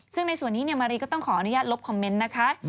ซึ่งในส่วนนี้มารีก็ต้องขออนุญาตลบคอมเมนต์นะคะ